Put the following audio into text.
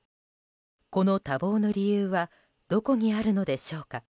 この多忙の理由はどこにあるのでしょうか。